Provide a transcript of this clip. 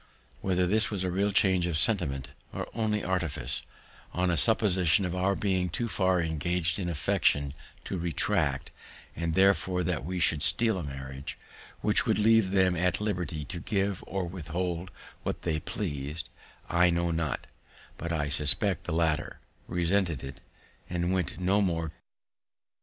Whether this was a real change of sentiment or only artifice, on a supposition of our being too far engaged in affection to retract, and therefore that we should steal a marriage, which would leave them at liberty to give or withhold what they pleas'd, I know not; but I suspected the latter, resented it, and went no more.